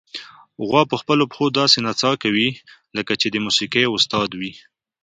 غوا په خپلو پښو داسې نڅا کوي، لکه چې د موسیقۍ استاد وي.